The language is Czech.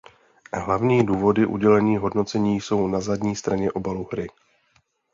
Hlavní důvody udělení hodnocení jsou na zadní straně obalu hry.